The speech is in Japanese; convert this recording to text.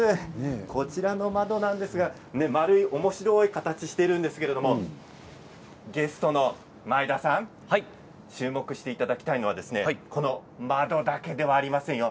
こちらの窓なんですが丸いおもしろい形をしているんですけれどもゲストの前田さん、注目していただきたいのはこの窓だけではありませんよ。